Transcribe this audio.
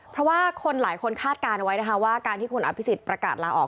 เพราะว่าคนหลายคนคาดการณ์เอาไว้นะคะว่าการที่คุณอภิษฎประกาศลาออก